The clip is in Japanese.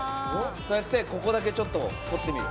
そうやってここだけちょっと掘ってみる。